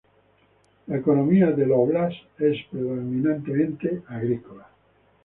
La economía del óblast es predominantemente agrícola.